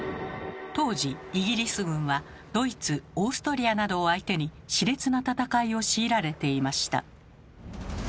当時イギリス軍はドイツ・オーストリアなどを相手にしれつな戦いを強いられていました。